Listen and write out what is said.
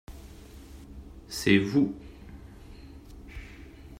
C’est vous.